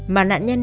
mà nạn nhân